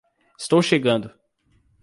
Estou chegando!